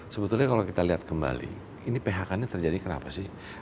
sebetulnya kalau kita lihat kembali ini phk nya terjadi kenapa sih